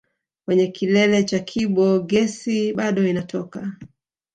Kwenye kilele cha Kibo gesi bado inatoka